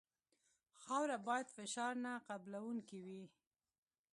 خاوره باید فشار نه قبلوونکې وي